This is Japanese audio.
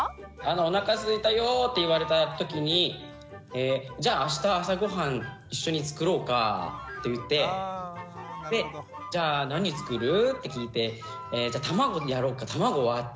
「おなかすいたよ」って言われた時に「じゃあ明日朝ごはん一緒に作ろうか！」って言ってで「じゃあ何作る？」って聞いて「卵やろうか卵割ってみる？」って